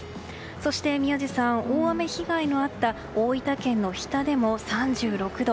そして宮司さん大雨被害のあった大分県の日田でも３６度。